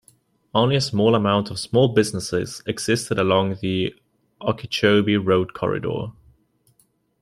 Only a small amount of small businesses existed along the Okeechobee Road corridor.